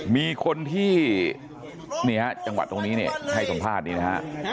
มีคนที่นี่ฮะจังหวัดตรงนี้เนี่ยให้สัมภาษณ์นี้นะฮะ